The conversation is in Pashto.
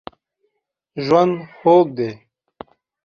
ژوند خوږ دی.